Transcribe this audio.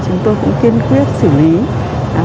chưa mở đâu ạ